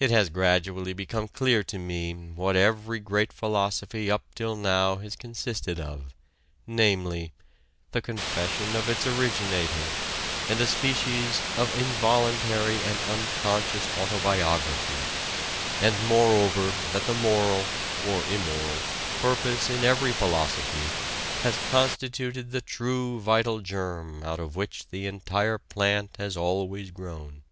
It has gradually become clear to me what every great philosophy up till now has consisted of namely, the confession of its originator, and a species of involuntary and unconscious autobiography, and, moreover, that the moral (or immoral) purpose in every philosophy has constituted the true vital germ out of which the entire plant has always grown....